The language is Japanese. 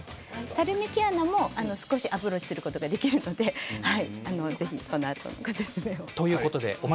たるみ毛穴もアプローチすることができるのでぜひ、このあとご説明を。